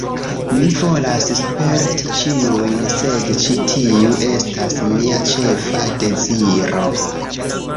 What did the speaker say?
Mi volas sperti ĉiujn, sed ĉi tiu estas mia ĉefa deziro